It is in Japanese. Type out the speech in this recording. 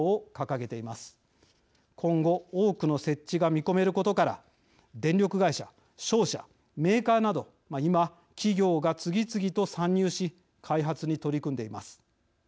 今後多くの設置が見込めることから電力会社商社メーカーなど今企業が次々と参入し開発に取り組んでいます。